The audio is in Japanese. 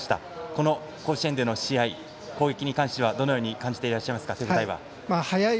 この甲子園での試合攻撃に関してはどのように感じていらっしゃいますか？